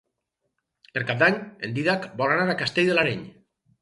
Per Cap d'Any en Dídac vol anar a Castell de l'Areny.